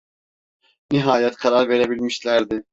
Nihayet karar verebilmişlerdi.